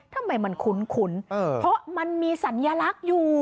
ทำไมมันคุ้นเพราะมันมีสัญลักษณ์อยู่